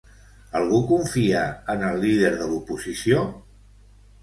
Algú confia en el líder de l'oposició?